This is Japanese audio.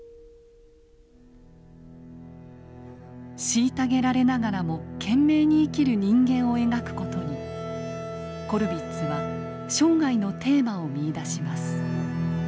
虐げられながらも懸命に生きる人間を描く事にコルヴィッツは生涯のテーマを見いだします。